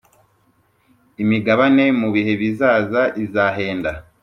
imigabane mu bihe bizaza izahenda